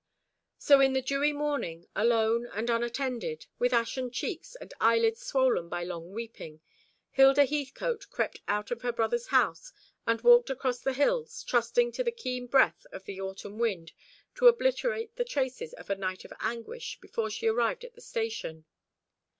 So in the dewy morning, alone and unattended, with ashen cheeks and eyelids swollen by long weeping, Hilda Heathcote crept out of her brother's house, and walked across the hills, trusting to the keen breath of the autumn wind to obliterate the traces of a night of anguish before she arrived at the station.